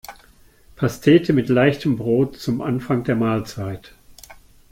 Pastete mit leichtem Brot zum Anfang der Mahlzeit.